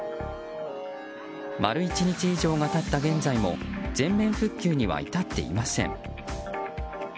丸１日以上が経った現在も全面復旧には至っていません。